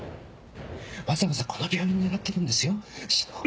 わざわざこの病院を狙ってるんですよ？